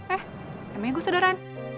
eh emangnya gue saudara